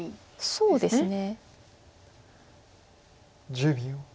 そうですね。